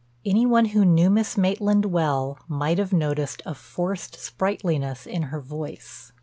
Any one who knew Miss Maitland well might have noticed a forced sprightliness in her voice.